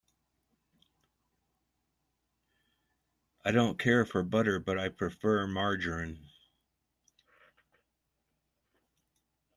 I don’t care for butter; I prefer margarine.